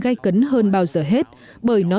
gai cấn hơn bao giờ hết bởi nó